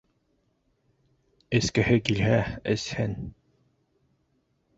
Эскеһе килһә, эсһен...